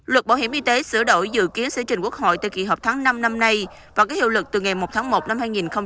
luật bảo hiểm y tế sửa đổi dự kiến sẽ trình quốc hội từ kỳ họp tháng năm năm nay và có hiệu lực từ ngày một tháng một năm hai nghìn hai mươi